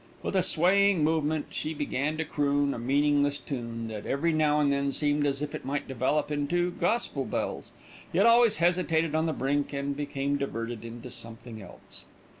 With a swaying movement she began to croon a meaningless tune, that every now and then seemed as if it might develop into "Gospel Bells"; yet always hesitated on the brink and became diverted into something else.